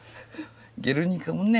「ゲルニカ」もね